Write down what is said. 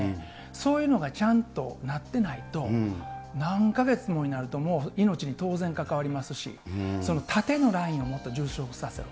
そういうのがちゃんとなってないと、何か月もになると、命に当然関わりますし、その縦のラインをもっと充実させる。